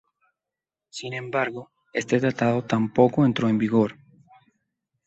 Sin embargo, este tratado tampoco entró en vigor.